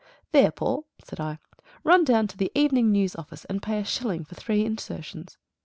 "There, Paul," said I, "run down to the Evening News office, and pay a shilling for three insertions."